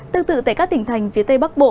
tương tự tại các tỉnh thành phía tây bắc bộ